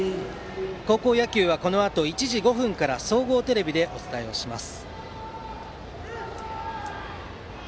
高校野球はこのあと１時５分から総合テレビでお伝えします。